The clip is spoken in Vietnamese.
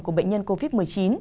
của bệnh nhân covid một mươi chín